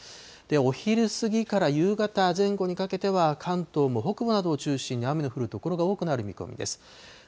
お昼過ぎから夕方前後にかけては、関東も北部などを中心に雨の降る所が多くなる見込みです。